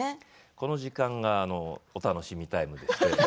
この時間がお楽しみタイムで。